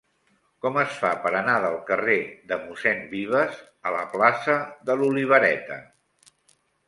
Com es fa per anar del carrer de Mossèn Vives a la plaça de l'Olivereta?